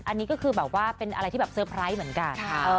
อันนี้ก็คือเป็นอะไรที่เซอร์ไพรต์เหมือนกัน